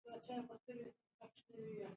چې هیڅکله به مړ نشي.